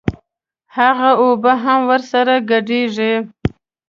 هغه اوبه هم ورسره ګډېږي.